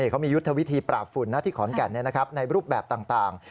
เขามียุทธวิธีปราบฝุ่นที่ขอนแก่นในรูปแบบต่าง